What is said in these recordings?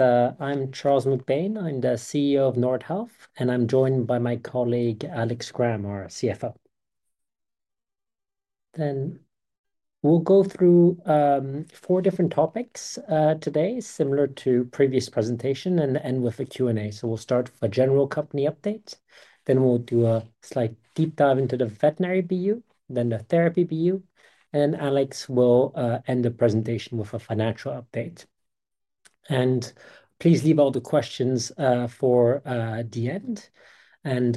I'm Charles MacBain. I'm the CEO of Nordhealth, and I'm joined by my colleague Alex Cram, our CFO. We'll go through four different topics today, similar to the previous presentation, and end with a Q&A. We'll start with a general company update, then do a slight deep dive into the Veterinary BU, then the Therapy BU, and Alex will end the presentation with a financial update. Please leave all the questions for the end. I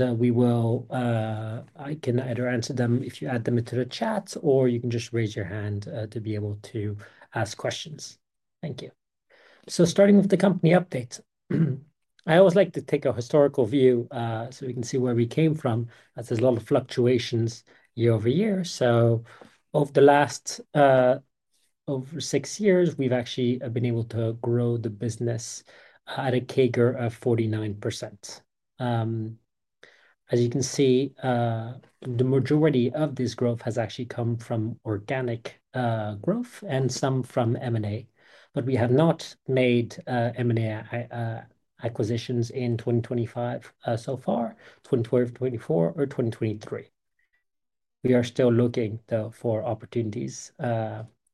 can either answer them if you add them to the chat, or you can just raise your hand to be able to ask questions. Thank you. Starting with the company updates, I always like to take a historical view so we can see where we came from. There's a lot of fluctuations year-over-year. Over the last six years, we've actually been able to grow the business at a CAGR of 49%. As you can see, the majority of this growth has actually come from organic growth and some from M&A, but we have not made M&A acquisitions in 2025 so far, 2024, or 2023. We are still looking though for opportunities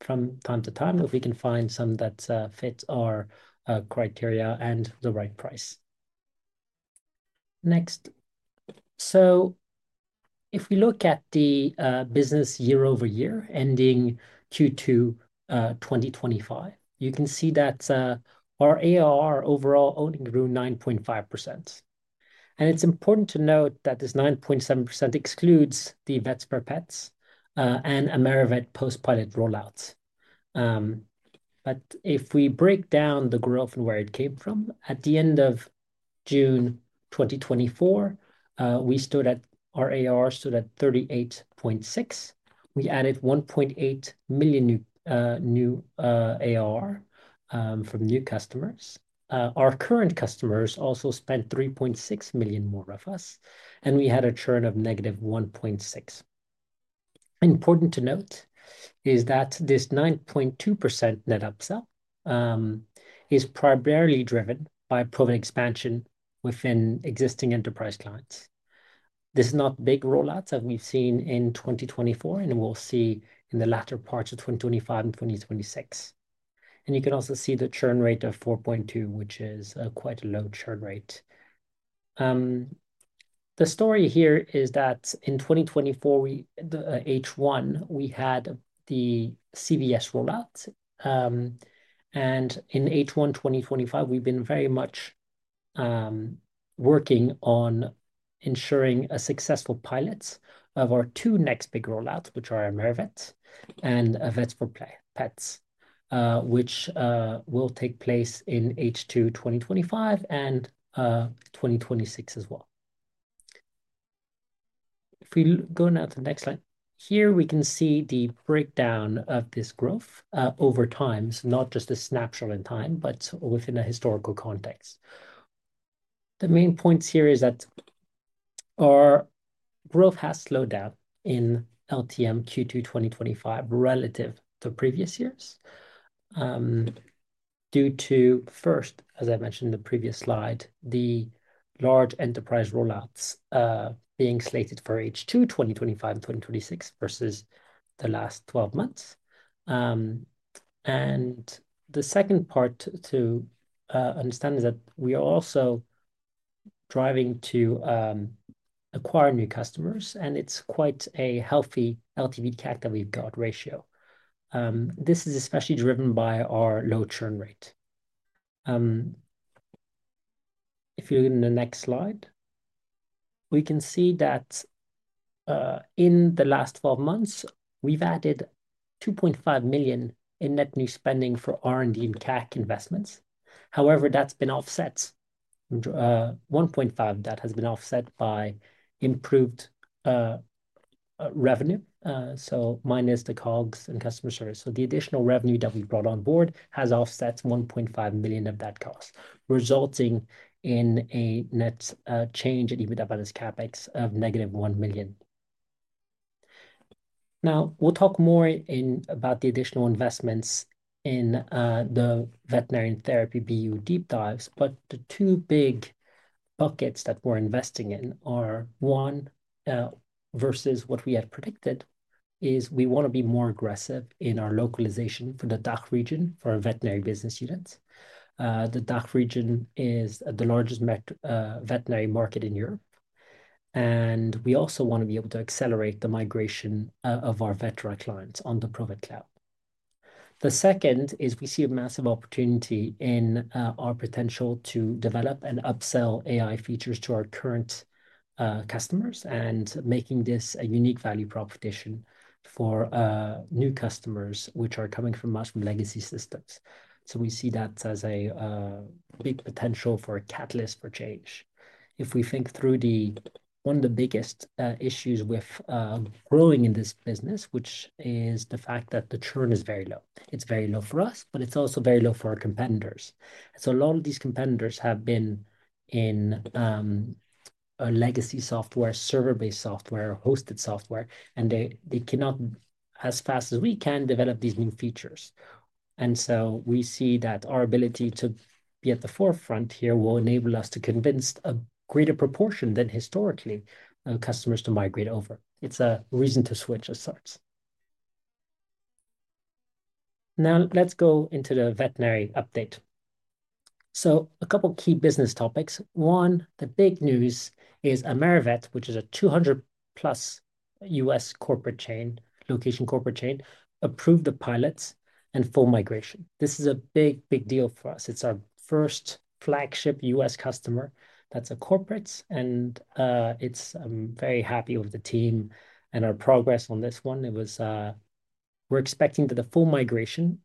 from time to time if we can find some that fit our criteria and the right price. If we look at the business year-over-year ending Q2 2025, you can see that our ARR overall only grew 9.5%. It's important to note that this 9.7% excludes the Vets4Pets and AmeriVet post-pilot rollouts. If we break down the growth and where it came from, at the end of June 2024, our ARR stood at 38.6%. We added 1.8 million new ARR from new customers. Our current customers also spent 3.6 million more with us, and we had a churn of -1.6%. Important to note is that this 9.2% net upsell is primarily driven by proven expansion within existing enterprise clients. This is not a big rollout that we've seen in 2024, and we'll see in the latter parts of 2025 and 2026. You can also see the churn rate of 4.2%, which is quite a low churn rate. The story here is that in 2024, H1, we had the CVS rollout, and in H1 2025, we've been very much working on ensuring a successful pilot of our two next big rollouts, which are AmeriVet and Vets4Pets, which will take place in H2 2025 and 2026 as well. If we go now to the next slide, here we can see the breakdown of this growth over time, not just a snapshot in time, but within a historical context. The main points here are that our growth has slowed down in LTM Q2 2025 relative to previous years due to, first, as I mentioned in the previous slide, the large enterprise rollouts being slated for H2 2025 and 2026 versus the last 12 months. The second part to understand is that we are also driving to acquire new customers, and it's quite a healthy LTV/CAC that we've got ratio. This is especially driven by our low churn rate. If you look in the next slide, we can see that in the last 12 months, we've added 2.5 million in net new spending for R&D and CAC investments. However, that's been offset 1.5%. That has been offset by improved revenue, so minus the COGS and customer service. The additional revenue that we brought on board has offset 1.5 million of that cost, resulting in a net change in EBITDA minus CapEx of -1 million. Now, we'll talk more about the additional investments in the Veterinary and Therapy BU deep dives, but the two big buckets that we're investing in are, one, versus what we had predicted, is we want to be more aggressive in our localization for the DACH region for our Veterinary business units. The DACH region is the largest veterinary market in Europe, and we also want to be able to accelerate the migration of our veterinary clients on the Provet Cloud. The second is we see a massive opportunity in our potential to develop and upsell all AI features to our current customers and making this a unique value proposition for new customers which are coming from us from legacy systems. We see that as a big potential for a catalyst for change. If we think through one of the biggest issues with growing in this business, which is the fact that the churn is very low. It's very low for us, but it's also very low for our competitors. A lot of these competitors have been in legacy software, server-based software, hosted software, and they cannot, as fast as we can, develop these new features. We see that our ability to be at the forefront here will enable us to convince a greater proportion than historically customers to migrate over. It's a reason to switch our source. Now let's go into the Veterinary update. A couple of key business topics. One, the big news is AmeriVet, which is a 200+ US corporate chain, location corporate chain, approved the pilots and full migration. This is a big, big deal for us. It's our first flagship US customer that's a corporate, and I'm very happy with the team and our progress on this one. We're expecting that the full migration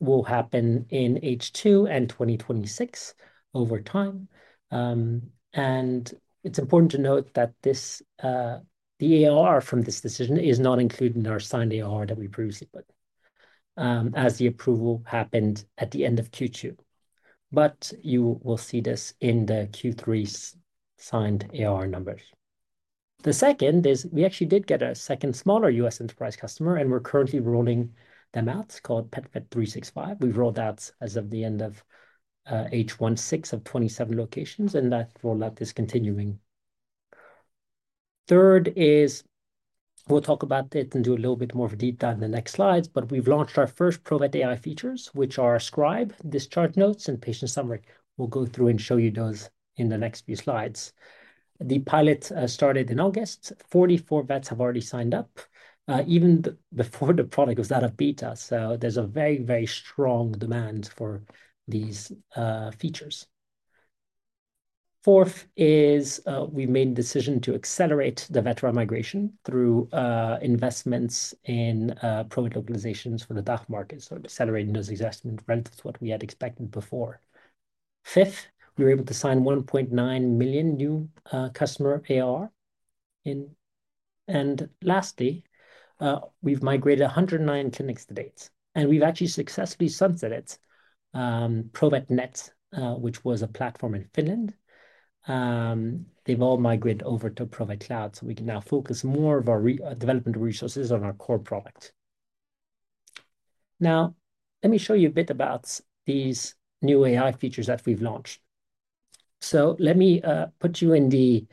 will happen in H2 and 2026 over time. It's important to note that the ARR from this decision is not included in our signed ARR that we previously put as the approval happened at the end of Q2. You will see this in the Q3 signed ARR numbers. The second is we actually did get a second smaller US enterprise customer, and we're currently rolling them out called PetVet365. We've rolled out as of the end of H1, 6 of 27 locations, and that rollout is continuing. Third is we'll talk about it and do a little bit more of a deep dive in the next slides, but we've launched our first Provet AI features, which are our Scribe, Discharge Notes, and Patient Summaries. We'll go through and show you those in the next few slides. The pilot started in August. 44 vets have already signed up even before the product was out of beta. There's a very, very strong demand for these features. Fourth is we made a decision to accelerate the veterinary migration through investments in private localizations for the DACH market, accelerating those investments relative to what we had expected before. Fifth, we were able to sign 1.9 million new customer ARR. Lastly, we've migrated 109 clinics to date, and we've actually successfully sunset Provet Net, which was a platform in Finland. They've all migrated over to Provet Cloud, so we can now focus more of our development resources on our core product. Now, let me show you a bit about these new AI features that we've launched. Let me put you in the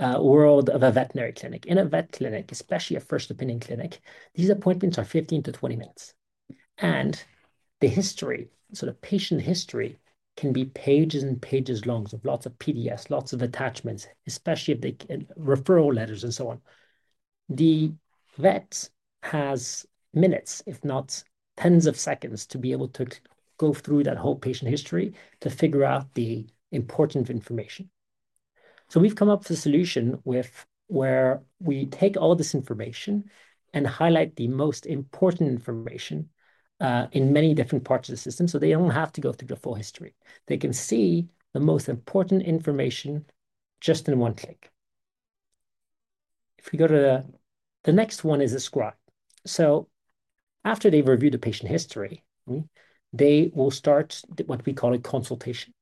world of a veterinary clinic. In a vet clinic, especially a first opinion clinic, these appointments are 15 minutes-20 minutes. The history, so the patient history can be pages and pages long with lots of PDFs, lots of attachments, especially if they have referral letters and so on. The vet has minutes, if not tens of seconds, to be able to go through that whole patient history to figure out the important information. We've come up with a solution where we take all this information and highlight the most important information in many different parts of the system so they don't have to go through the full history. They can see the most important information just in one click. If we go to the next one, it's a scribe. After they review the patient history, they will start what we call a consultation,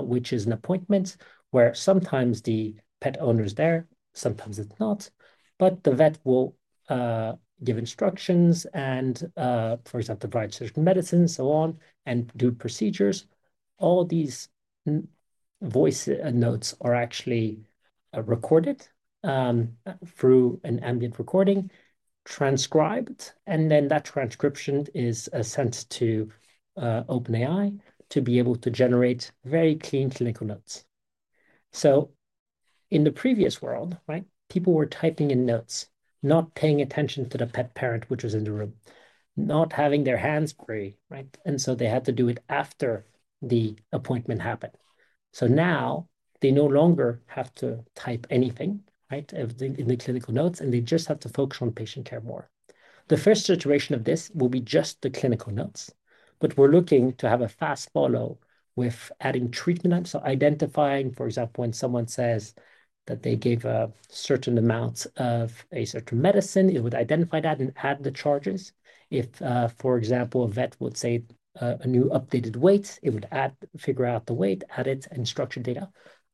which is an appointment where sometimes the pet owner is there, sometimes it's not, but the vet will give instructions and, for example, provide certain medicines and so on and do procedures. All these voice notes are actually recorded through an ambient recording, transcribed, and then that transcription is sent to OpenAI to be able to generate very clean clinical notes. In the previous world, people were typing in notes, not paying attention to the pet parent which was in the room, not having their hands free, right? They had to do it after the appointment happened. Now they no longer have to type anything in the clinical notes, and they just have to focus on patient care more. The first iteration of this will be just the clinical notes, but we're looking to have a fast follow with adding treatment items. Identifying, for example, when someone says that they gave a certain amount of a certain medicine, it would identify that and add the charges. If, for example, a vet would say a new updated weight, it would add, figure out the weight, add it, and structure data.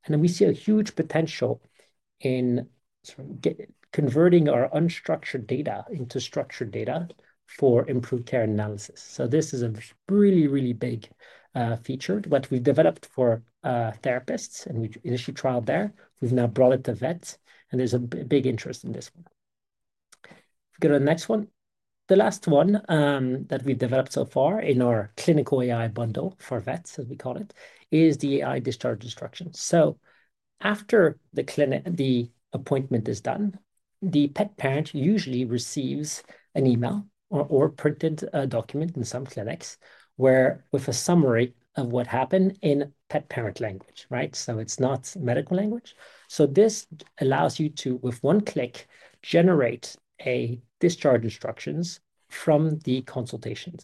We see a huge potential in sort of converting our unstructured data into structured data for improved care analysis. This is a really, really big feature that we've developed for therapists, and we initially trialed there. We've now brought it to vets, and there's a big interest in this one. If we go to the next one, the last one that we've developed so far in our clinical AI bundle for vets, as we call it, is the AI Discharge Instructions. After the appointment is done, the pet parent usually receives an email or a printed document in some clinics with a summary of what happened in pet parent language, right? It's not medical language. This allows you to, with one click, generate discharge instructions from the consultation,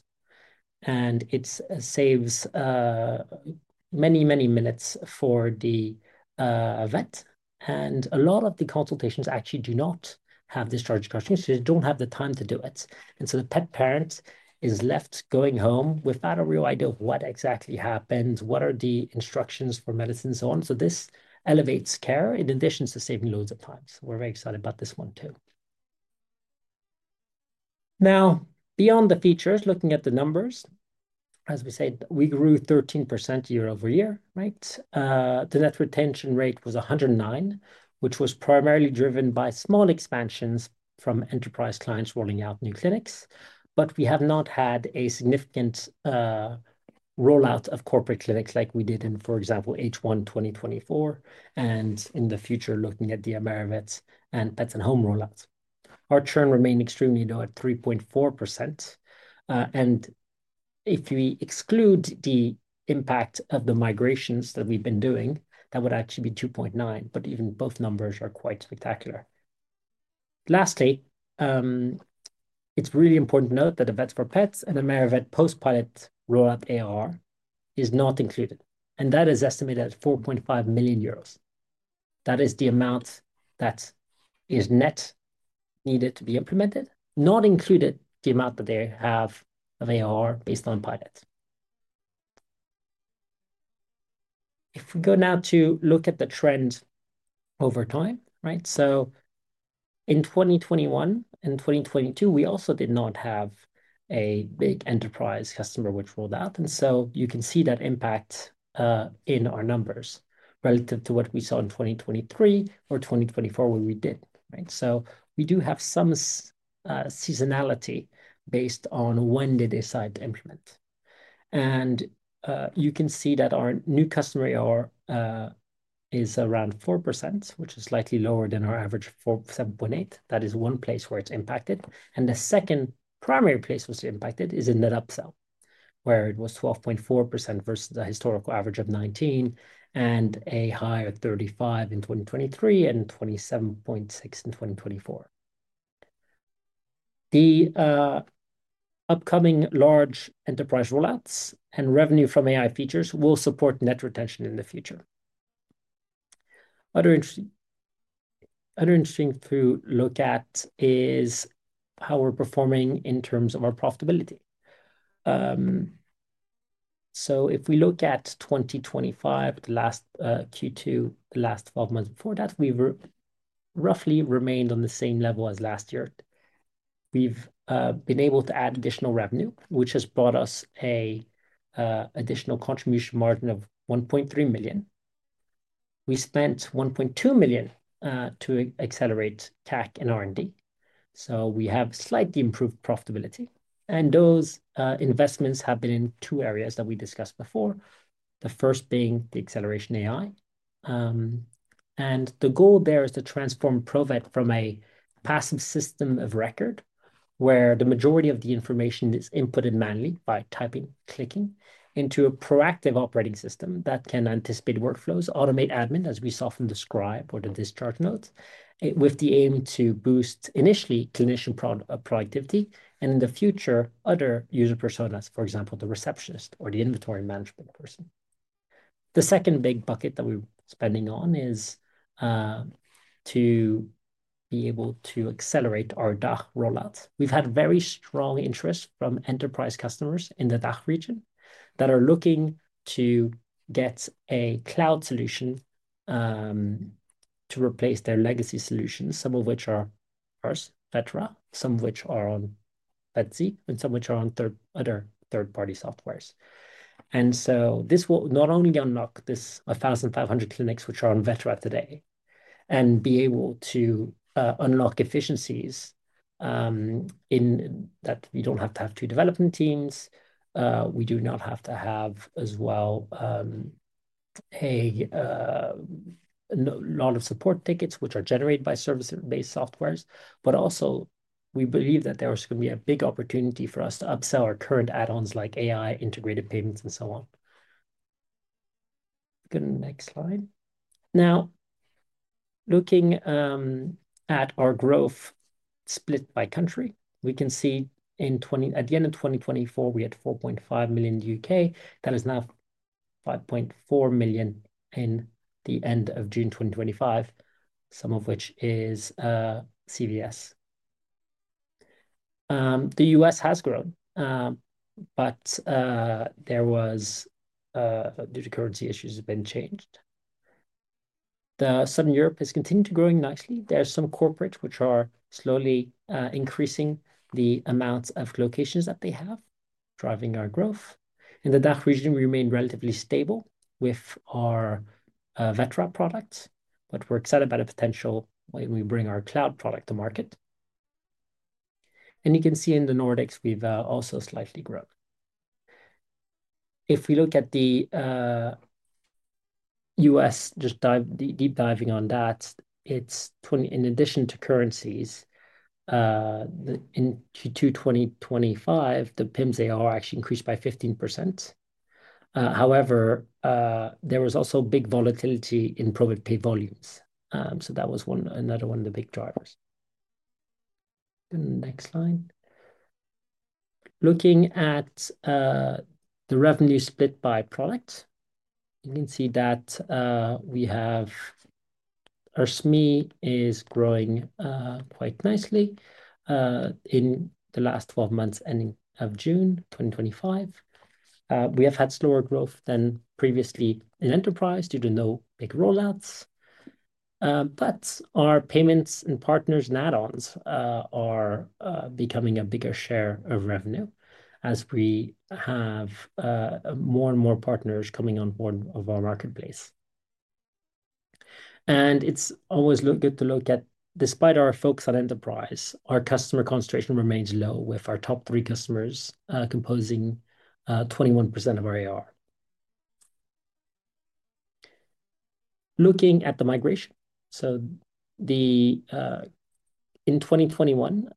and it saves many, many minutes for the vet. A lot of the consultations actually do not have discharge instructions, so they don't have the time to do it. The pet parent is left going home with not a real idea of what exactly happened, what are the instructions for medicine, and so on. This elevates care in addition to saving loads of time. We're very excited about this one too. Now, beyond the features, looking at the numbers, as we said, we grew 13% year-over-year, right? The net retention rate was 109%, which was primarily driven by small expansions from enterprise clients rolling out new clinics. We have not had a significant rollout of corporate clinics like we did in, for example, H1 2024 and in the future, looking at the AmeriVet and Pets at Home rollouts. Our churn remained extremely low at 3.4%. If we exclude the impact of the migrations that we've been doing, that would actually be 2.9%. Both numbers are quite spectacular. Lastly, it's really important to note that the Vets4Pets and AmeriVet post-pilot rollout ARR is not included. That is estimated at 4.5 million euros. That is the amount that is net needed to be implemented, not including the amount that they have of ARR based on pilots. If we go now to look at the trend over time, in 2021 and 2022, we also did not have a big enterprise customer which rolled out. You can see that impact in our numbers relative to what we saw in 2023 or 2024 where we did. We do have some seasonality based on when they decide to implement. You can see that our new customer ARR is around 4%, which is slightly lower than our average of 7.8%. That is one place where it's impacted. The second primary place where it's impacted is in net upsell, where it was 12.4% versus the historical average of 19% and a high of 35% in 2023 and 27.6% in 2024. The upcoming large enterprise rollouts and revenue from AI features will support net retention in the future. Another interesting thing to look at is how we're performing in terms of our profitability. If we look at 2025, the last Q2, the last 12 months before that, we've roughly remained on the same level as last year. We've been able to add additional revenue, which has brought us an additional contribution margin of 1.3 million. We spent 1.2 million to accelerate tech and R&D. We have slightly improved profitability. Those investments have been in two areas that we discussed before, the first being the acceleration of AI. The goal there is to transform Provet from a passive system of record, where the majority of the information is inputted manually by typing, clicking, into a proactive operating system that can anticipate workflows and automate admin, as we saw from the Scribe or the Discharge Notes, with the aim to boost initially clinician productivity and, in the future, other user personas, for example, the receptionist or the inventory management person. The second big bucket that we're spending on is to be able to accelerate our DACH rollouts. We've had very strong interest from enterprise customers in the DACH region that are looking to get a cloud solution to replace their legacy solutions, some of which are ours, Vetera, some of which are on Vetsy, and some of which are on other third-party softwares. This will not only unlock this 1,500 clinics which are on Vetera today and be able to unlock efficiencies in that we don't have to have two development teams. We do not have to have as well a lot of support tickets which are generated by service-based softwares. We believe that there is going to be a big opportunity for us to upsell our current add-ons like AI, integrated payments, and so on. Go to the next slide. Now, looking at our growth split by country, we can see at the end of 2024, we had £4.5 million in the UK. That is now £5.4 million in the end of June 2025, some of which is CVS. The U.S. has grown, but there was due to currency issues that have been changed. Southern Europe has continued to grow nicely. There's some corporates which are slowly increasing the amount of locations that they have, driving our growth. In the DACH region, we remain relatively stable with our Vetera product, but we're excited about the potential when we bring our cloud product to market. You can see in the Nordics, we've also slightly grown. If we look at the U.S., just deep diving on that, it's in addition to currencies, in Q2 2025, the PIMS ARR actually increased by 15%. However, there was also big volatility in private pay volumes. That was another one of the big drivers. Next slide. Looking at the revenue split by product, you can see that we have our SME is growing quite nicely in the last 12 months and in June 2025. We have had slower growth than previously in enterprise due to no big rollouts. Our payments and partners and add-ons are becoming a bigger share of revenue as we have more and more partners coming on board of our marketplace. It's always good to look at, despite our focus on enterprise, our customer concentration remains low with our top three customers composing 21% of our ARR. Looking at the migration, in 2021,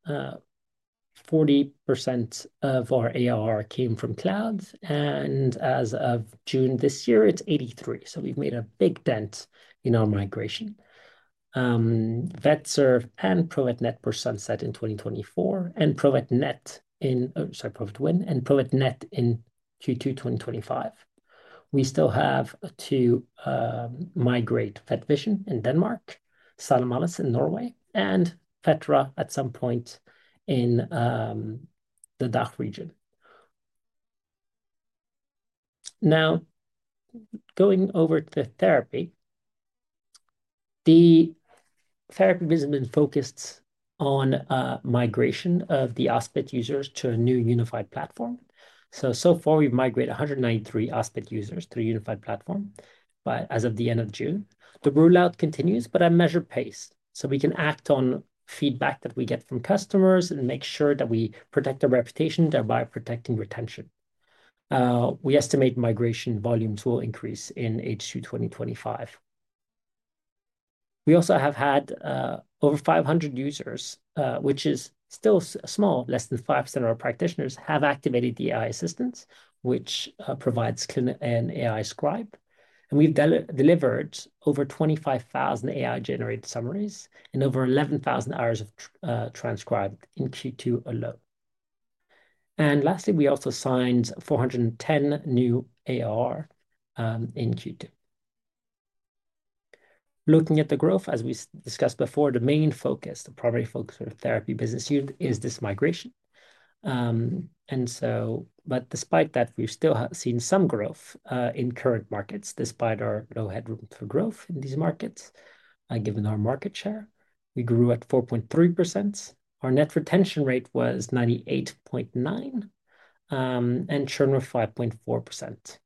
40% of our ARR came from clouds, and as of June this year, it's 83%. We've made a big dent in our migration. Vetserve and Provet Net were sunset in 2024, and Provet Win and Provet Net in Q2 2025. We still have to migrate Vet Vision in Denmark, Sanimalis in Norway, and Vetera at some point in the DACH region. Now, going over to Therapy, the Therapy business has been focused on migration of the hospital users to a new unified platform. So far, we've migrated 193 hospital users to a unified platform as of the end of June. The rollout continues at a measured pace so we can act on feedback that we get from customers and make sure that we protect our reputation, thereby protecting retention. We estimate migration volumes will increase in H2 2025. We also have had over 500 users, which is still small, less than 5% of our practitioners have activated the AI assistance, which provides an AI Scribe. We've delivered over 25,000 AI-generated summaries and over 11,000 hours of transcribed in Q2 alone. Lastly, we also signed 410,000 new ARR in Q2. Looking at the growth, as we discussed before, the main focus, the primary focus for the Therapy business unit is this migration. Despite that, we've still seen some growth in current markets despite our low headroom for growth in these markets. Given our market share, we grew at 4.3%. Our net retention rate was 98.9% and churn was 5.4%.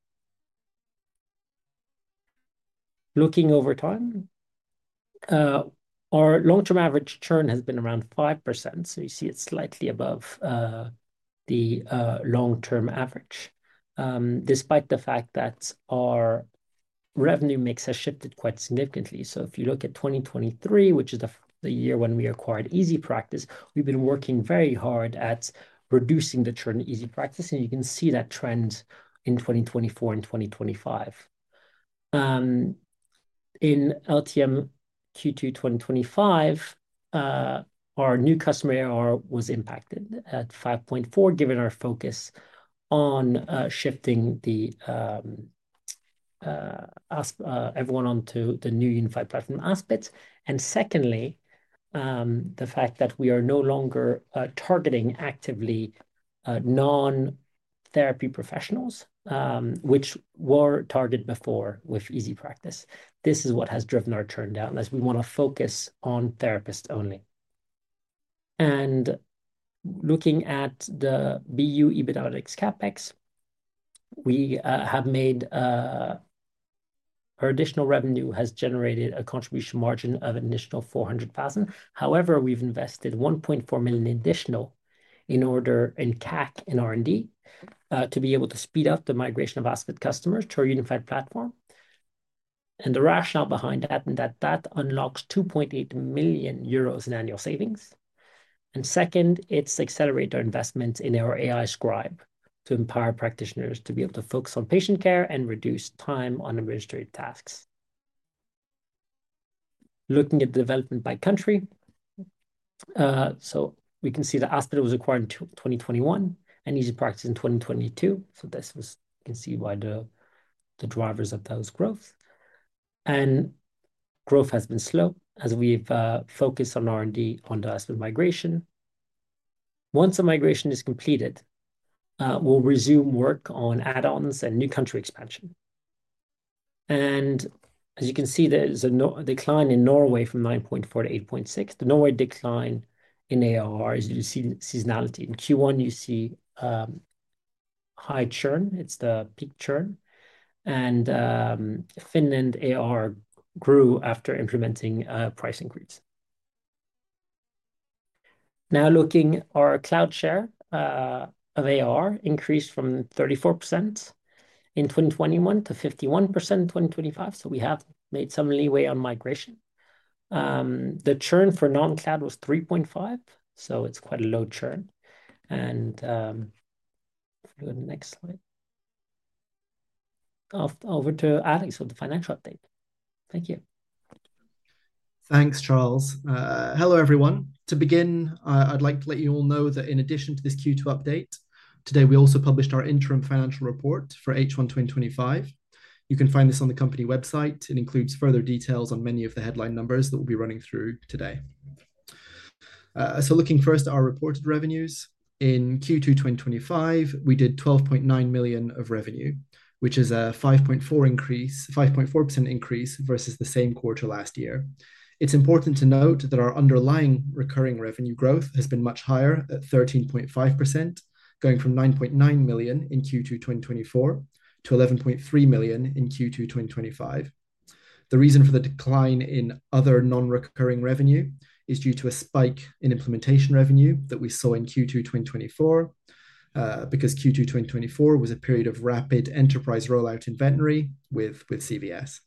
Looking over time, our long-term average churn has been around 5%. You see it's slightly above the long-term average. Despite the fact that our revenue mix has shifted quite significantly. If you look at 2023, which is the year when we acquired EasyPractice, we've been working very hard at reducing the churn in EasyPractice. You can see that trend in 2024 and 2025. In LTM Q2 2025, our new customer ARR was impacted at 5.4%, given our focus on shifting everyone onto the new unified platform, Aspit. Secondly, the fact that we are no longer targeting actively non-therapy professionals, which were targeted before with EasyPractice. This is what has driven our churn down, as we want to focus on therapists only. Looking at the BU EBITDA minus CapEx, we have made our additional revenue has generated a contribution margin of an additional 400,000. However, we've invested 1.4 million additional in order in CAC and R&D to be able to speed up the migration of Aspit customers to our unified platform. The rationale behind that is that unlocks 2.8 million euros in annual savings. Second, it's accelerated our investments in our AI Scribe to empower practitioners to be able to focus on patient care and reduce time on administrative tasks. Looking at the development by country, we can see that Aspit was acquired in 2021 and EasyPractice in 2022. You can see why the drivers of those growth. Growth has been slow as we've focused on R&D on the Aspit migration. Once the migration is completed, we'll resume work on add-ons and new country expansion. As you can see, there's a decline in Norway from 9.4% to 8.6%. The Norway decline in ARR is you see seasonality. In Q1, you see high churn. It's the peak churn. Finland ARR grew after implementing price increase. Now looking at our cloud share of ARR, increased from 34% in 2021 to 51% in 2025. We have made some leeway on migration. The churn for non-cloud was 3.5%. It's quite a low churn. If we go to the next slide, over to Alex with the financial update. Thank you. Thanks, Charles. Hello everyone. To begin, I'd like to let you all know that in addition to this Q2 update, today we also published our interim financial report for H1 2025. You can find this on the company website. It includes further details on many of the headline numbers that we'll be running through today. Looking first at our reported revenues, in Q2 2025, we did 12.9 million of revenue, which is a 5.4% increase versus the same quarter last year. It's important to note that our underlying recurring revenue growth has been much higher at 13.5%, going from 9.9 million in Q2 2024 to 11.3 million in Q2 2025. The reason for the decline in other non-recurring revenue is due to a spike in implementation revenue that we saw in Q2 2024, because Q2 2024 was a period of rapid enterprise rollout in Veterinary with CVS.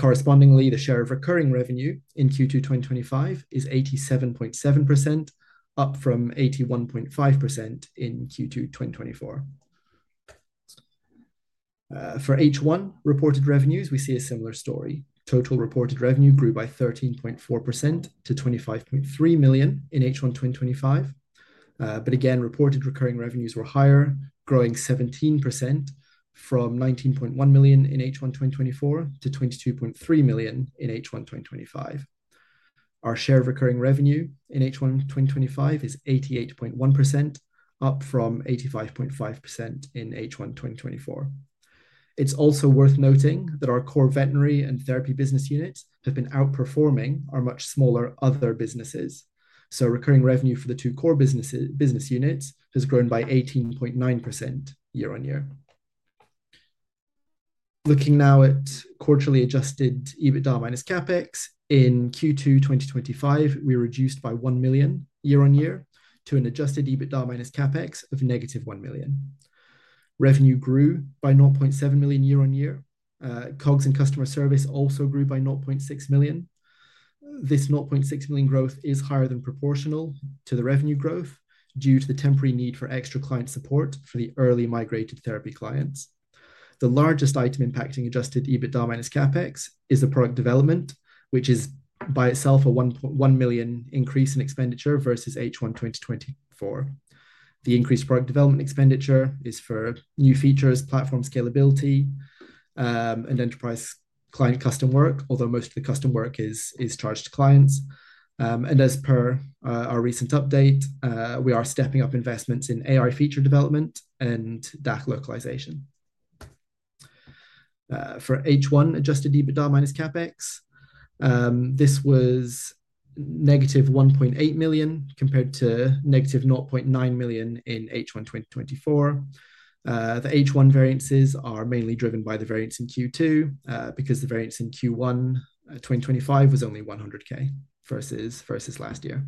Correspondingly, the share of recurring revenue in Q2 2025 is 87.7%, up from 81.5% in Q2 2024. For H1 reported revenues, we see a similar story. Total reported revenue grew by 13.4% to 25.3 million in H1 2025. Reported recurring revenues were higher, growing 17% from 19.1 million in H1 2024 to 22.3 million in H1 2025. Our share of recurring revenue in H1 2025 is 88.1%, up from 85.5% in H1 2024. It's also worth noting that our core Veterinary and Therapy business units have been outperforming our much smaller other businesses. Recurring revenue for the two core business units has grown by 18.9% year-on-year. Looking now at quarterly adjusted EBITDA minus CapEx, in Q2 2025, we reduced by 1 million year-on-year to an adjusted EBITDA minus CapEx of -1 million. Revenue grew by 0.7 million year-on-year. COGS and customer service also grew by 0.6 million. This 0.6 million growth is higher than proportional to the revenue growth due to the temporary need for extra client support for the early migrated Therapy clients. The largest item impacting adjusted EBITDA minus CapEx is the product development, which is by itself a 1 million increase in expenditure versus H1 2024. The increased product development expenditure is for new features, platform scalability, and enterprise client custom work, although most of the custom work is charged to clients. As per our recent update, we are stepping up investments in AI feature development and DACH localization. For H1 adjusted EBITDA minus CapEx, this was -1.8 million compared to -0.9 million in H1 2024. The H1 variances are mainly driven by the variance in Q2 because the variance in Q1 2025 was only 100,000 versus last year.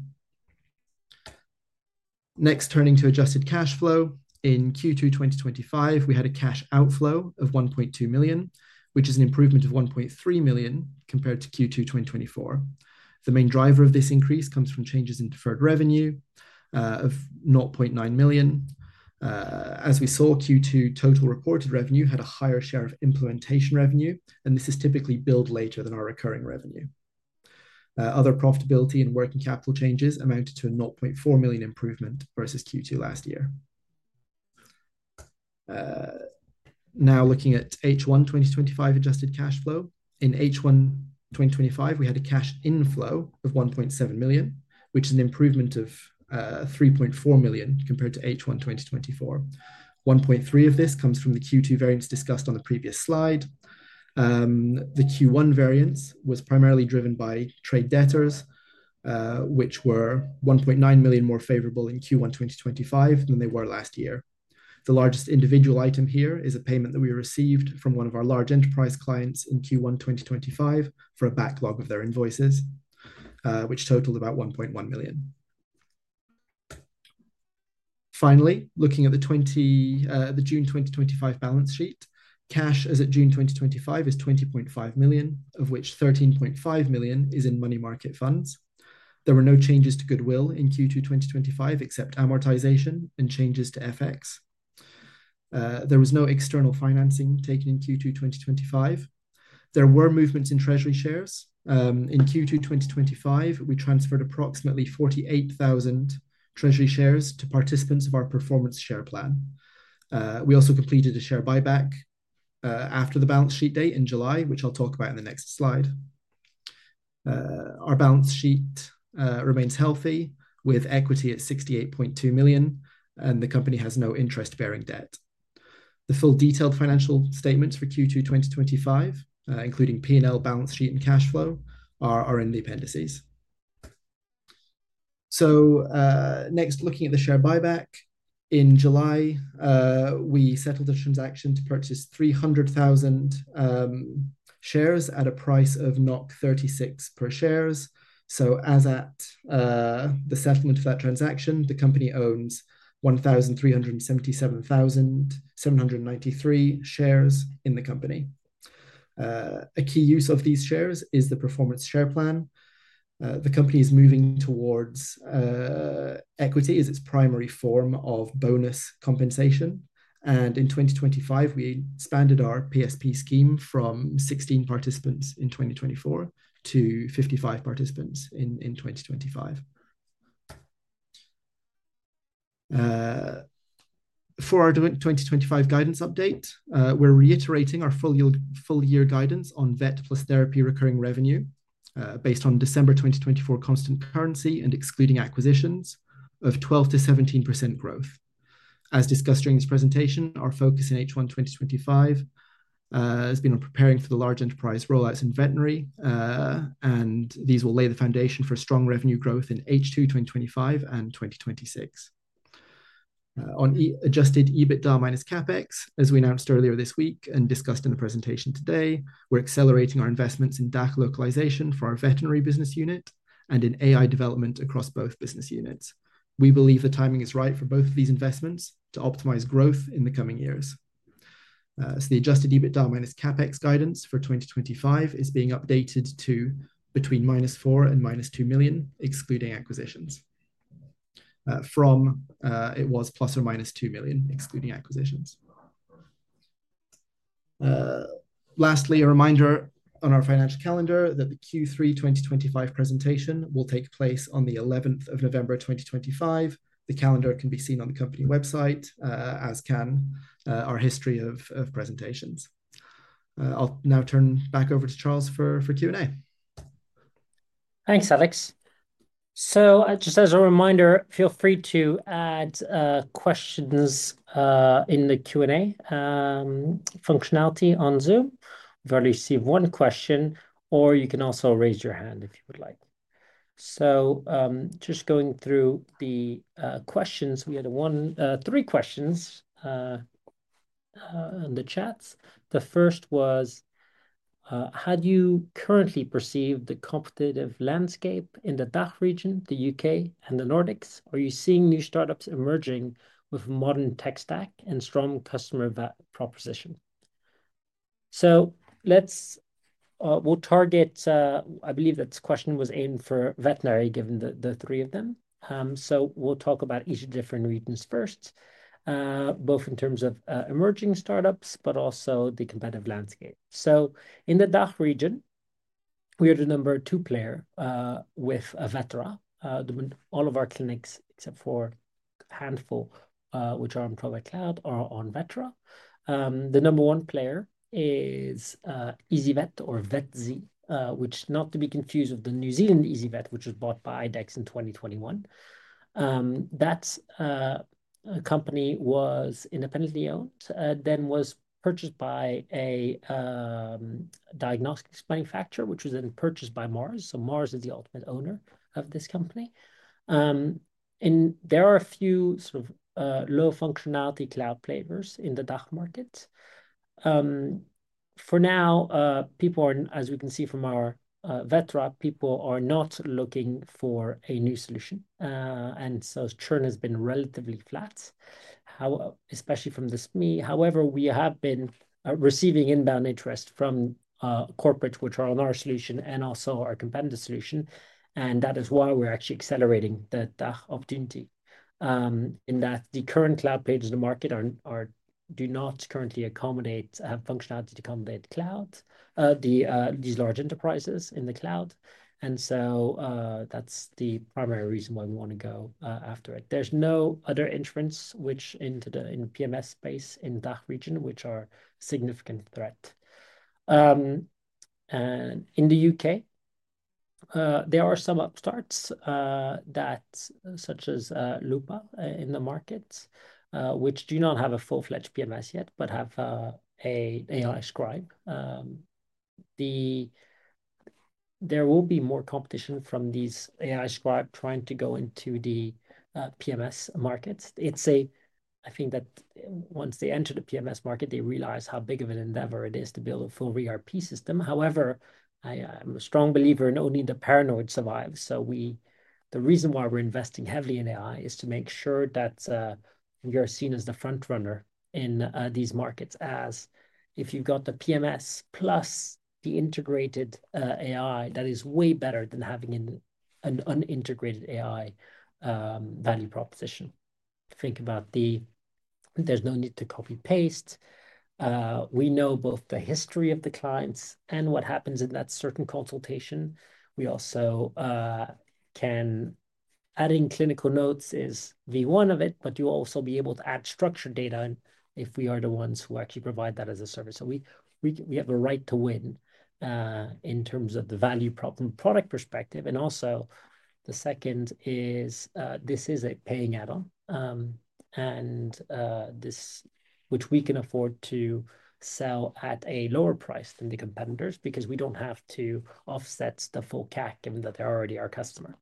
Next, turning to adjusted cash flow, in Q2 2025, we had a cash outflow of 1.2 million, which is an improvement of 1.3 million compared to Q2 2024. The main driver of this increase comes from changes in deferred revenue of 0.9 million. As we saw, Q2 total reported revenue had a higher share of implementation revenue, and this is typically billed later than our recurring revenue. Other profitability and working capital changes amounted to a 0.4 million improvement versus Q2 last year. Now looking at H1 2025 adjusted cash flow, in H1 2025, we had a cash inflow of 1.7 million, which is an improvement of 3.4 million compared to H1 2024. 1.3 million of this comes from the Q2 variance discussed on the previous slide. The Q1 variance was primarily driven by trade debtors, which were 1.9 million more favorable in Q1 2025 than they were last year. The largest individual item here is a payment that we received from one of our large enterprise clients in Q1 2025 for a backlog of their invoices, which totaled about EUR 1.1 million. Finally, looking at the June 2025 balance sheet, cash as at June 2025 is 20.5 million, of which 13.5 million is in money market funds. There were no changes to goodwill in Q2 2025 except amortization and changes to FX. There was no external financing taken in Q2 2025. There were movements in treasury shares. In Q2 2025, we transferred approximately 48,000 treasury shares to participants of our performance share plan. We also completed a share buyback after the balance sheet date in July, which I'll talk about in the next slide. Our balance sheet remains healthy with equity at 68.2 million, and the company has no interest-bearing debt. The full detailed financial statements for Q2 2025, including P&L, balance sheet, and cash flow, are in the appendices. Next, looking at the share buyback, in July, we settled the transaction to purchase 300,000 shares at a price of 36 per share. As at the settlement of that transaction, the company owns 1,377,793 shares in the company. A key use of these shares is the performance share plan. The company is moving towards equity as its primary form of bonus compensation. In 2025, we expanded our PSP scheme from 16 participants in 2024 to 55 participants in 2025. For our 2025 guidance update, we're reiterating our full-year guidance on Vet plus Therapy recurring revenue based on December 2024 constant currency and excluding acquisitions of 12%-17% growth. As discussed during this presentation, our focus in H1 2025 has been on preparing for the large enterprise rollouts in Veterinary, and these will lay the foundation for strong revenue growth in H2 2025 and 2026. On adjusted EBITDA minus CapEx, as we announced earlier this week and discussed in the presentation today, we're accelerating our investments in DACH localization for our Veterinary business unit and in AI development across both business units. We believe the timing is right for both of these investments to optimize growth in the coming years. The adjusted EBITDA minus CapEx guidance for 2025 is being updated to between -4 million and -2 million, excluding acquisitions. Previously, it was ±2 million, excluding acquisitions. Lastly, a reminder on our financial calendar that the Q3 2025 presentation will take place on November 11th, 2025. The calendar can be seen on the company website, as can our history of presentations. I'll now turn back over to Charles for Q&A. Thanks, Alex. Just as a reminder, feel free to add questions in the Q&A functionality on Zoom. I've already received one question, or you can also raise your hand if you would like. Going through the questions, we had three questions in the chat. The first was, how do you currently perceive the competitive landscape in the DACH region, the UK, and the Nordics? Are you seeing new startups emerging with a modern tech stack and strong customer proposition? I believe that the question was aimed for Veterinary, given the three of them. We'll talk about each of the different regions first, both in terms of emerging startups and the competitive landscape. In the DACH region, we are the number two player with Vetera. All of our clinics, except for a handful which are on Provet Cloud, are on Vetera. The number one player is easyVET or VetZ, which is not to be confused with the New Zealand EzyVet, which was bought by IDEXX in 2021. That company was independently owned, then was purchased by a diagnostics manufacturer, which was then purchased by Mars. Mars is the ultimate owner of this company. There are a few low functionality cloud players in the DACH market. For now, as we can see from our Vetera, people are not looking for a new solution, and churn has been relatively flat, especially from the SME. However, we have been receiving inbound interest from corporates which are on our solution and also our competitor solution. That is why we're actually accelerating that opportunity, in that the current cloud pages of the market do not currently accommodate functionality to accommodate these large enterprises in the cloud. That's the primary reason why we want to go after it. There are no other entrants in the PMS space in that region which are a significant threat. In the UK, there are some upstarts such as Lupa in the market, which do not have a full-fledged PMS yet, but have an AI Scribe. There will be more competition from these AI Scribes trying to go into the PMS markets. I think that once they enter the PMS market, they realize how big of an endeavor it is to build a full RERP system. I'm a strong believer in only the paranoid survive. The reason why we're investing heavily in AI is to make sure that you're seen as the front runner in these markets. As if you've got the PMS plus the integrated AI, that is way better than having an unintegrated AI value proposition. Think about the, there's no need to copy-paste. We know both the history of the clients and what happens in that certain consultation. We also can add in clinical notes as V1 of it, but you'll also be able to add structured data if we are the ones who actually provide that as a service. We have a right to win in terms of the value problem product perspective. Also, the second is this is a paying add-on, which we can afford to sell at a lower price than the competitors because we don't have to offset the full CAC given that they're already our customer.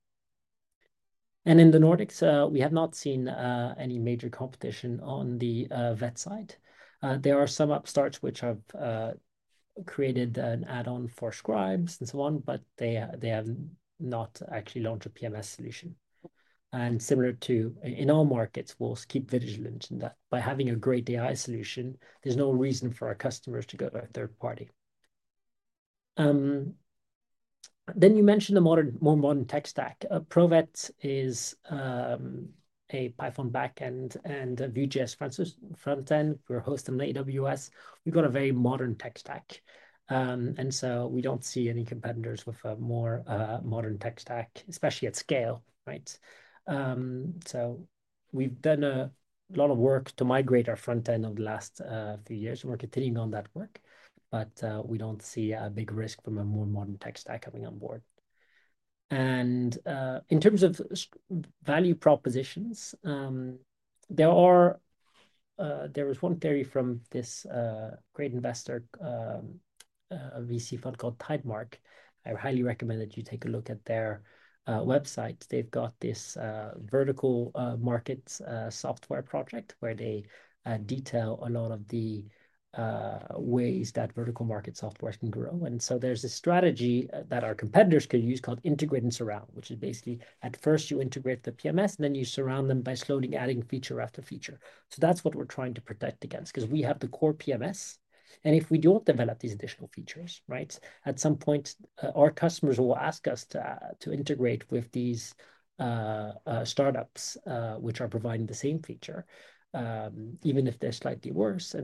In the Nordics, we have not seen any major competition on the Vet side. There are some upstarts which have created an add-on for scribes and so on, but they have not actually launched a PMS solution. Similar to in all markets, we'll keep vigilant in that by having a great AI solution, there's no reason for our customers to go to a third party. You mentioned a more modern tech stack. Provet is a Python backend and a Vue.js frontend. We're hosting on AWS. We've got a very modern tech stack. We don't see any competitors with a more modern tech stack, especially at scale, right? We've done a lot of work to migrate our frontend over the last few years, and we're continuing on that work. We don't see a big risk from a more modern tech stack coming on board. In terms of value propositions, there is one theory from this great investor, a VC fund called Tidemark. I highly recommend that you take a look at their website. They've got this vertical market software project where they detail a lot of the ways that vertical market software can grow. There's a strategy that our competitors can use called integrate and surround, which is basically at first you integrate the PMS, and then you surround them by slowly adding feature after feature. That's what we're trying to protect against because we have the core PMS. If we don't develop these additional features, right, at some point our customers will ask us to integrate with these startups which are providing the same feature, even if they're slightly worse.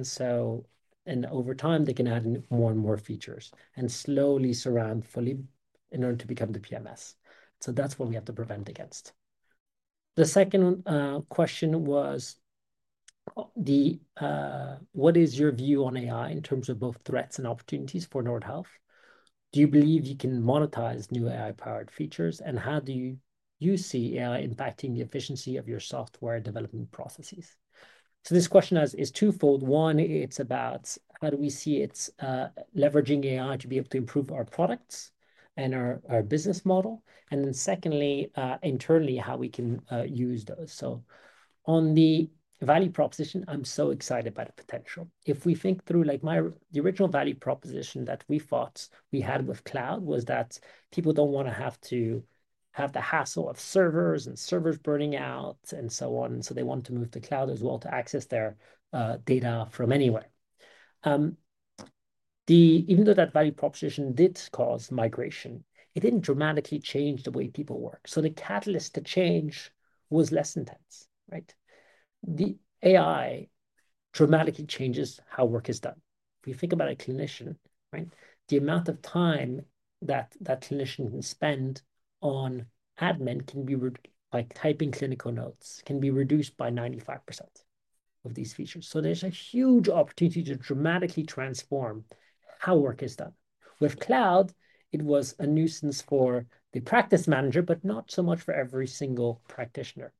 Over time, they can add more and more features and slowly surround fully in order to become the PMS. That's what we have to prevent against. The second question was, what is your view on AI in terms of both threats and opportunities for Nordhealth? Do you believe you can monetize new AI-powered features? How do you see AI impacting the efficiency of your software development processes? This question is twofold. One, it's about how do we see leveraging AI to be able to improve our products and our business model? Then secondly, internally, how we can use those. On the value proposition, I'm so excited by the potential. If we think through the original value proposition that we thought we had with cloud, it was that people don't want to have to have the hassle of servers and servers burning out and so on. They want to move to cloud as well to access their data from anywhere. Even though that value proposition did cause migration, it didn't dramatically change the way people work. The catalyst to change was less intense, right? AI dramatically changes how work is done. If you think about a clinician, the amount of time that that clinician can spend on admin, like typing clinical notes, can be reduced by 95% with these features. There's a huge opportunity to dramatically transform how work is done. With cloud, it was a nuisance for the practice manager, but not so much for every single practitioner.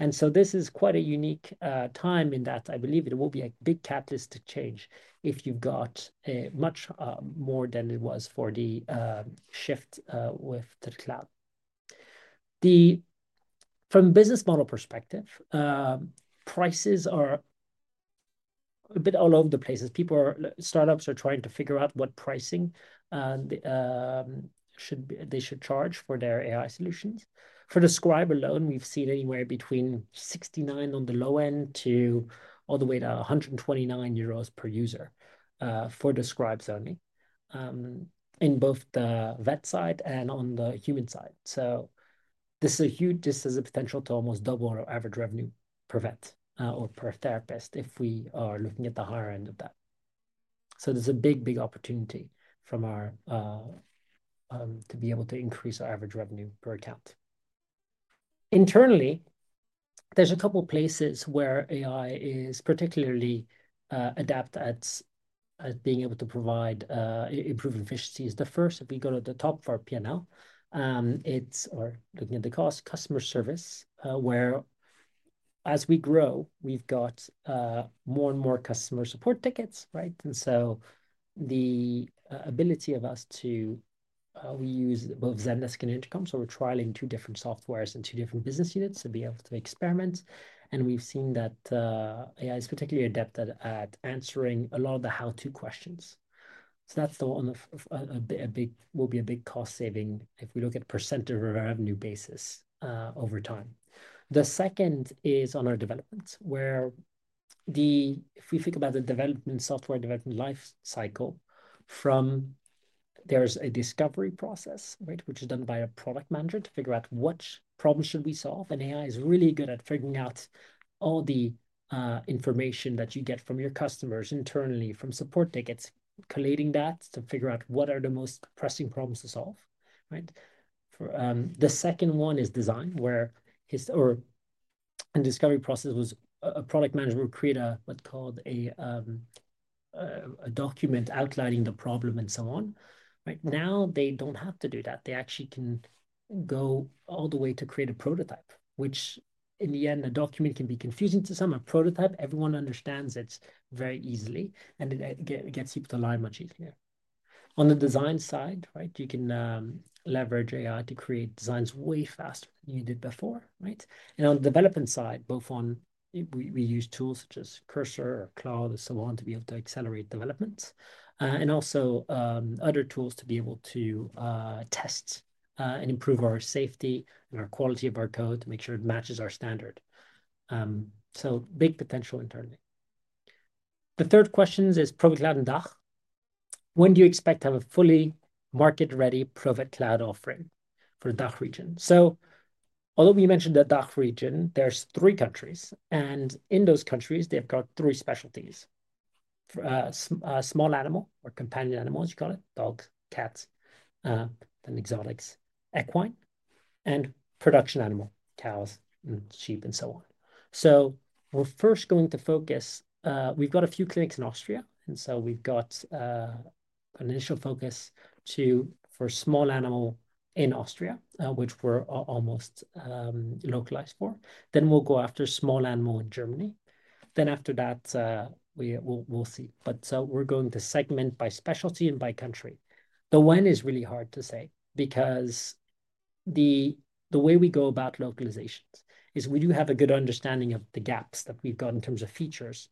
This is quite a unique time in that I believe it will be a big catalyst to change, much more than it was for the shift with the cloud. From a business model perspective, prices are a bit all over the place. Startups are trying to figure out what pricing they should charge for their AI solutions. For the scribe alone, we've seen anywhere between 69 on the low end to all the way to 129 euros per user for the scribes only in both the vet side and on the human side. This is substantial, to almost double our average revenue per vet or per therapist if we are looking at the higher end of that. There's a big, big opportunity to be able to increase our average revenue per account. Internally, there's a couple of places where AI is particularly adept at being able to provide improved efficiencies. The first, if we go to the top for P&L, it's looking at the cost of customer service, where as we grow, we've got more and more customer support tickets. The ability of us to, we use both Zendesk and Intercom, so we're trialing two different softwares in two different business units to be able to experiment. We have seen that AI is particularly adept at answering a lot of the how-to questions. That will be a big cost saving if we look at per cent of a revenue basis over time. The second is on our development, where if you think about the development software development life cycle, there is a discovery process, which is done by a Product Manager to figure out which problems should we solve. AI is really good at figuring out all the information that you get from your customers internally, from support tickets, collating that to figure out what are the most pressing problems to solve. The second one is design, where a discovery process was a Product Manager would create what is called a document outlining the problem and so on. Right now, they do not have to do that. They actually can go all the way to create a prototype, which in the end, a document can be confusing to some. A prototype, everyone understands it very easily, and it gets people to align much easier. On the design side, you can leverage AI to create designs way faster than you did before. On the development side, we use tools such as Cursor or Claude and so on to be able to accelerate developments, and also other tools to be able to test and improve our safety and our quality of our code to make sure it matches our standard. There is big potential internally. The third question is Provet Cloud and DACH. When do you expect to have a fully market-ready Provet Cloud offering for the DACH region? Although we mentioned the DACH region, there are three countries, and in those countries, they have three specialties: Small Animal or Companion Animals, you call it dog, cats, then exotics, Equine, and Production animal, cows and sheep, and so on. We are first going to focus, we have got a few clinics in Austria, and we have got an initial focus for Small Animal in Austria, which we are almost localized for. We will go after Small Animal in Germany. After that, we will see. We are going to segment by specialty and by country. The when is really hard to say because the way we go about localization is we do have a good understanding of the gaps that we have got in terms of features,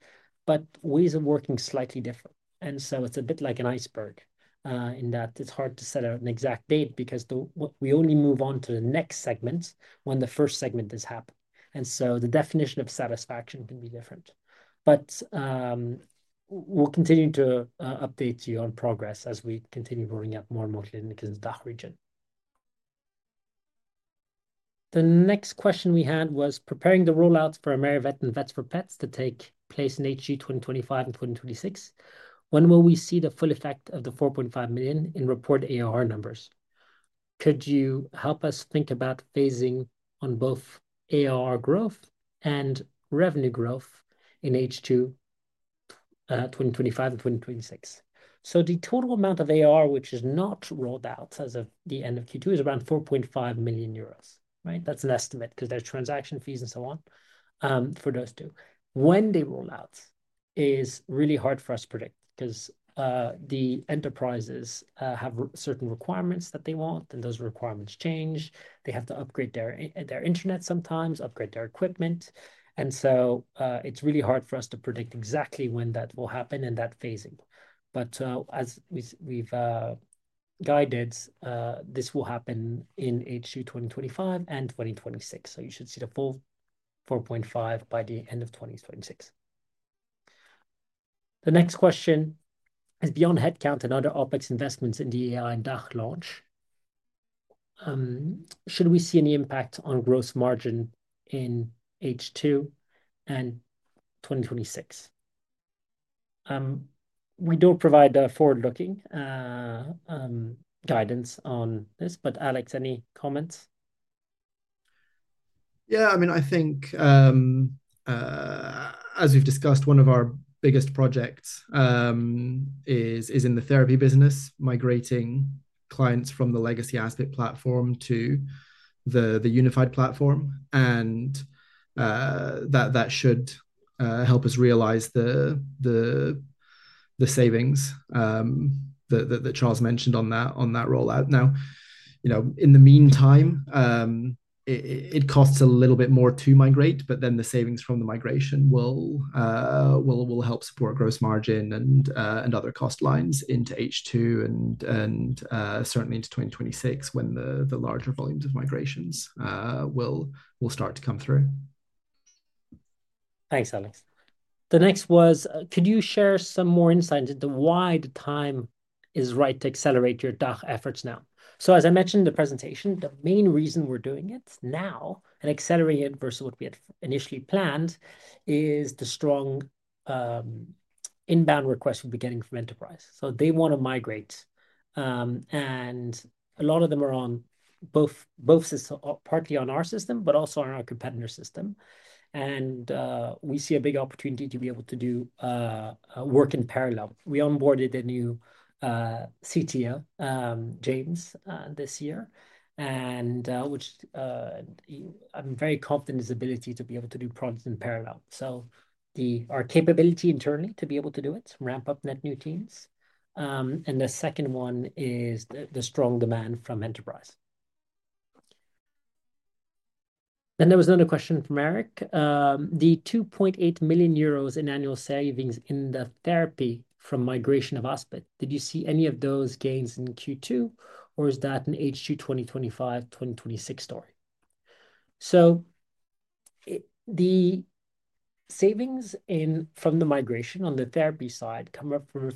but ways of working are slightly different. It is a bit like an iceberg in that it is hard to set out an exact date because we only move on to the next segment when the first segment has happened. The definition of satisfaction can be different. We'll continue to update you on progress as we continue rolling out more multilingual in the DACH region. The next question we had was preparing the rollouts for AmeriVet and Vets4Pets to take place in H2 2025 and 2026. When will we see the full effect of the 4.5 million in reported ARR numbers? Could you help us think about phasing on both ARR growth and revenue growth in H2 2025 and 2026? The total amount of ARR, which is not rolled out as of the end of Q2, is around 4.5 million euros, right? That's an estimate because there are transaction fees and so on for those two. When they roll out is really hard for us to predict because the enterprises have certain requirements that they want, and those requirements change. They have to upgrade their internet sometimes, upgrade their equipment. It's really hard for us to predict exactly when that will happen in that phasing. As we've guided, this will happen in H2 2025 and 2026. You should see the full 4.5 million by the end of 2026. The next question is beyond headcount and other OpEx investments in the AI and DACH launch. Should we see any impact on gross margin in H2 and 2026? We don't provide the forward-looking guidance on this, but Alex, any comments? Yeah, I mean, I think as we've discussed, one of our biggest projects is in the Therapy business, migrating clients from the legacy Aspit platform to the unified platform. That should help us realize the savings that Charles mentioned on that rollout. In the meantime, it costs a little bit more to migrate, but then the savings from the migration will help support gross margin and other cost lines into H2 and certainly into 2026 when the larger volumes of migrations will start to come through. Thanks, Alex. The next was, could you share some more insight into why the time is right to accelerate your DACH efforts now? As I mentioned in the presentation, the main reason we're doing it now and accelerating it versus what we had initially planned is the strong inbound requests we've been getting from enterprise. They want to migrate, and a lot of them are on both systems, partly on our system, but also on our competitor system. We see a big opportunity to be able to do work in parallel. We onboarded a new CTO, James, this year, and I'm very confident in his ability to be able to do products in parallel. Our capability internally to be able to do it, ramp up net new teams. The second one is the strong demand from enterprise. There was another question from Eric. The 2.8 million euros in annual savings in the Therapy from migration of Aspit. Did you see any of those gains in Q2, or is that an HQ 2025-2026 story? The savings from the migration on the Therapy side come up from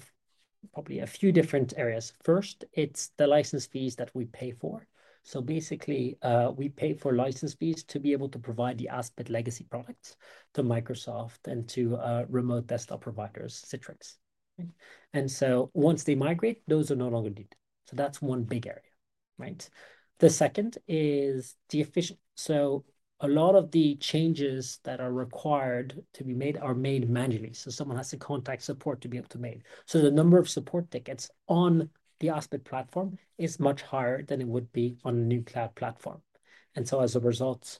probably a few different areas. First, it's the license fees that we pay for. Basically, we pay for license fees to be able to provide the Aspit legacy products to Microsoft and to remote desktop providers, Citrix. Once they migrate, those are no longer needed. That's one big area, right? The second is the efficiency. A lot of the changes that are required to be made are made manually. Someone has to contact support to be able to maintain. The number of support tickets on the Aspit platform is much higher than it would be on a new cloud platform. As a result,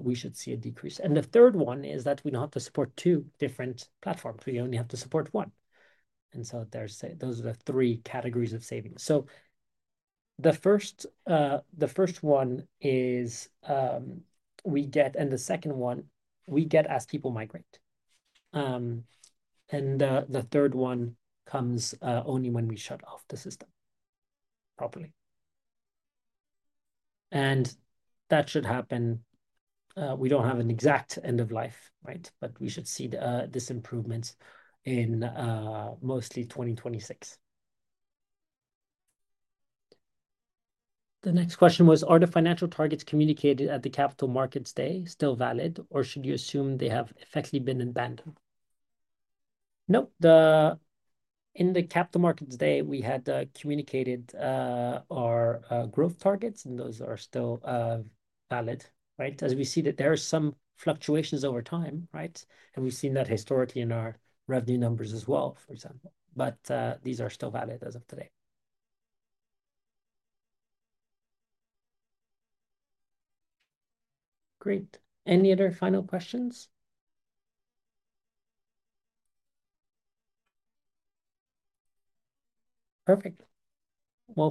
we should see a decrease. The third one is that we don't have to support two different platforms. We only have to support one. Those are the three categories of savings. The first one is we get, and the second one we get as people migrate. The third one comes only when we shut off the system properly. That should happen. We don't have an exact end of life, right? We should see this improvement in mostly 2026. The next question was, are the financial targets communicated at the capital markets day still valid, or should you assume they have effectively been in band? Nope. In the capital markets day, we had communicated our growth targets, and those are still valid, right? As we see that there are some fluctuations over time, right? We've seen that historically in our revenue numbers as well, for example. These are still valid as of today. Great. Any other final questions? Perfect.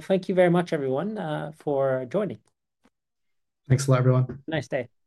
Thank you very much, everyone, for joining. Thanks a lot, everyone. Nice day. Bye.